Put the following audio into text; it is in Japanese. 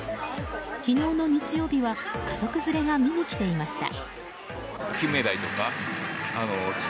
昨日の日曜日は家族連れが見に来ていました。